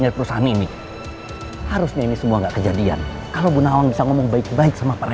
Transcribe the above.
terus liat itu yakin kalau matt